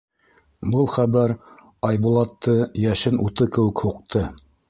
Был хәбәр Айбулатты йәшен уты кеүек һуҡты.